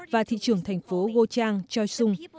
và thị trường thành phố go chang choi sung